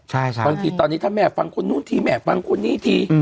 ใช่บางทีตอนนี้ถ้าแม่ฟังคนนู้นทีแม่ฟังคนนี้ที